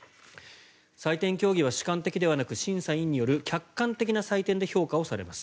採点競技は主観的ではなく審判員による客観的な採点で評価をされます。